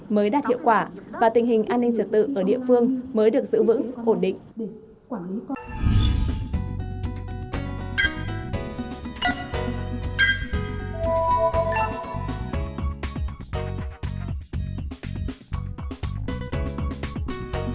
mới đạt hiệu quả và tình hình an ninh trật tự ở địa phương mới được giữ vững ổn định